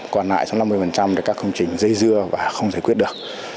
còn lại xuống năm mươi là các công trình dây dưa và không giải quyết được